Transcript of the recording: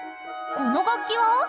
この楽器は？